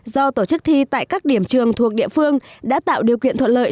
do tổ chức thi tại các điểm trường thuộc địa phương đã tạo điều kiện thuận lợi